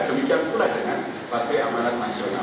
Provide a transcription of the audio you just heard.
demikian pula dengan partai amanat nasional